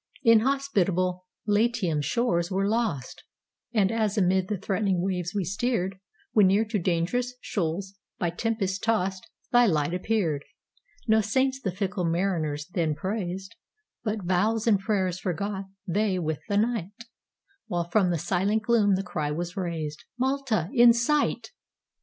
Inhospitable Latium's shores were lost, And, as amid the threatening waves we steered, When near to dangerous shoals, by tempests tost, Thy light appeared.No saints the fickle mariners then praised, But vows and prayers forgot they with the night; While from the silent gloom the cry was raised,—"Malta in sight!"